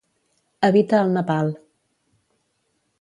Habita al Nepal.